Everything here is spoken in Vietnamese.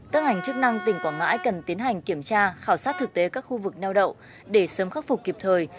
các ngành chức năng tỉnh quảng ngãi cần tiến hành kiểm tra khảo sát thực tế các khu vực neo đậu để sớm khắc phục kịp thời